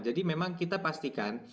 jadi memang kita pastikan